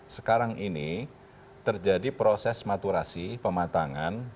sekarang ini terjadi proses maturasi pematangan